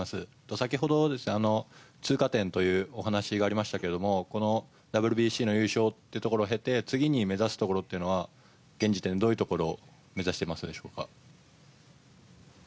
先ほど通過点というお話がありましたけどこのＷＢＣの優勝というところを経て次に目指すところというのは現時点でどういうところを目指してますでしょうか？